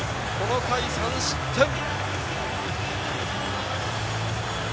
この回、３失点。